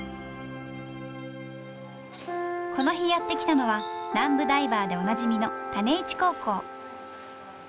この日やって来たのは南部ダイバーでおなじみの種市高校。